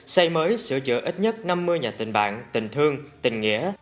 xây mới sửa chữa ít nhất năm mươi nhà tình bạn tình thương tình nghĩa